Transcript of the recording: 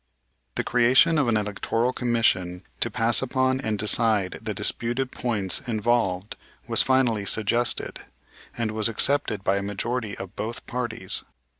The creation of an electoral commission to pass upon and decide the disputed points involved was finally suggested, and was accepted by a majority of both parties.